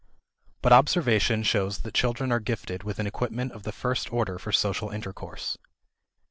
But observation shows that children are gifted with an equipment of the first order for social intercourse.